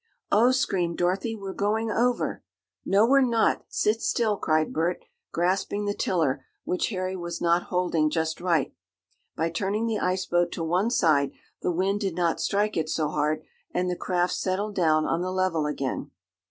"Oh!" screamed Dorothy. "We're going over!" "No, we're not! Sit still!" cried Bert, grasping the tiller, which Harry was not holding just right. By turning the ice boat to one side the wind did not strike it so hard, and the craft settled down on the level again.